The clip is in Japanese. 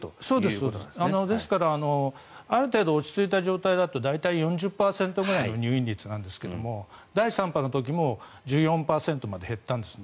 ある程度落ち着いてくると大体４０％ぐらいの入院率なんですけれども第３波の時も１４％まで減ったんですね。